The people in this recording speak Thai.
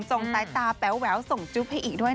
ส่งสายตาแป๋วส่งจุ๊บให้อีกด้วย